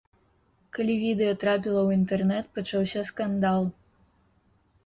Калі відэа трапіла ў інтэрнэт, пачаўся скандал.